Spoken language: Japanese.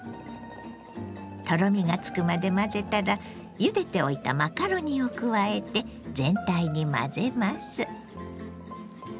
とろみがつくまで混ぜたらゆでておいたマカロニを加えて全体に混ぜます。